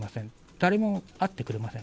誰も会ってくれません。